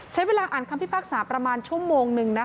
ใช้เวลาอ่านคำพิพากษาประมาณชั่วโมงนึงนะคะ